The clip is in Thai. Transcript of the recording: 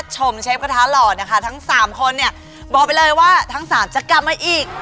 เชฟกระทะหล่อนะคะทั้งสามคนเนี่ยบอกไปเลยว่าทั้งสามจะกลับมาอีก